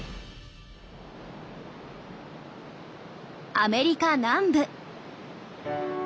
アメリカ南部。